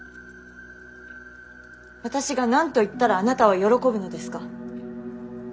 私が何と言ったらあなたは喜ぶのですか。